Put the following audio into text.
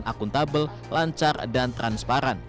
penyelenggaraan ppdb berjalan akuntabel lancar dan transparan